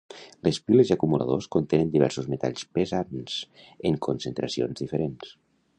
Les piles i acumuladors contenen diversos metalls pesants en concentracions diferents.